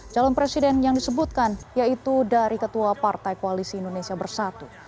calon presiden yang disebutkan yaitu dari ketua partai koalisi indonesia bersatu